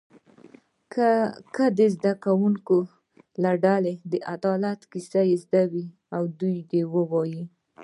که د زده کوونکو له ډلې د عدالت کیسه زده وي و دې وایي.